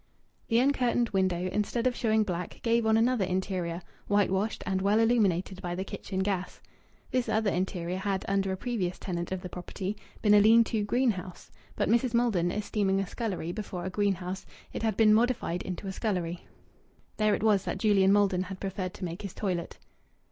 The uncurtained window, instead of showing black, gave on another interior, whitewashed, and well illuminated by the kitchen gas. This other interior had, under a previous tenant of the property, been a lean to greenhouse, but Mrs. Maldon esteeming a scullery before a greenhouse, it had been modified into a scullery. There it was that Julian Maldon had preferred to make his toilet.